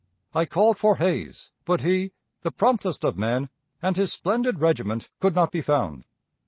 I called for Hayes, but he, the promptest of men, and his splendid regiment could not be found.